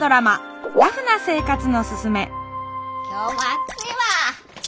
今日も暑いわ！